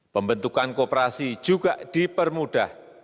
pembentukan kooperasi juga dipermudah